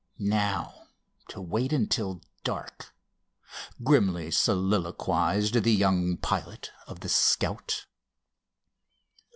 "Now to wait until dark!" grimly soliloquized the young pilot of the Scout.